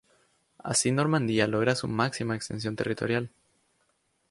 Así Normandía logra su máxima extensión territorial.